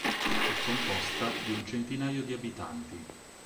È composta di un centinaio di abitanti.